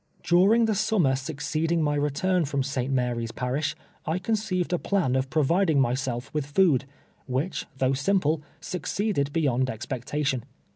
During the summer succeeding my return from St. Mary's ])arish, I conceived a plan of providing myself with i'ond, which, though simple, succeeded beyond expectation.